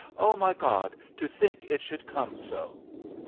O my God! to think it should come so!"